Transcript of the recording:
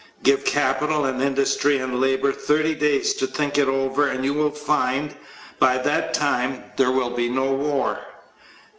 Give capital and industry and labor thirty days to think it over and you will find, by that time, there will be no war.